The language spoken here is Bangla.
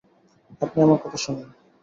আপনি আমার কথা শোনেন!